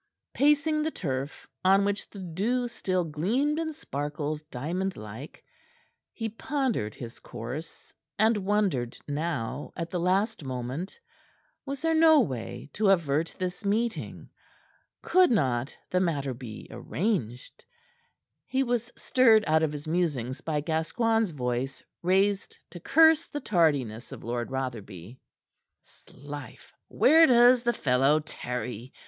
Pacing the turf, on which the dew still gleamed and sparkled diamond like, he pondered his course, and wondered now, at the last moment, was there no way to avert this meeting. Could not the matter be arranged? He was stirred out of his musings by Gascoigne's voice, raised to curse the tardiness of Lord Rotherby. "'Slife! Where does the fellow tarry?